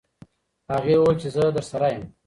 هغې وویل چې زه درسره یم.